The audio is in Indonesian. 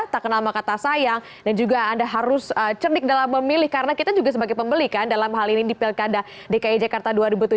tak kenal maka tak sayang dan juga anda harus cerdik dalam memilih karena kita juga sebagai pembeli kan dalam hal ini di pilkada dki jakarta dua ribu tujuh belas